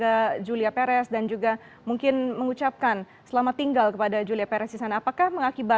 dan itu di curlys mungkin membuat dia merasakan te citra